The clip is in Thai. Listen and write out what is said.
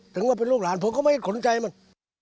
ถึงว่าเป็นลูกหลานผมก็ไม่ขนใจมัน